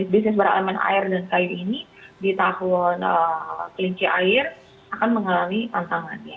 bisnis berelemen air dan kayu ini di tahun kelinci air akan mengalami tantangannya